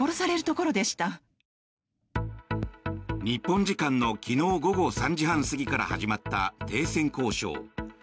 日本時間の昨日午後３時半過ぎから始まった停戦交渉。